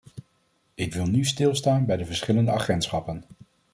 Ik wil nu stilstaan bij de verschillende agentschappen.